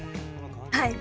はい。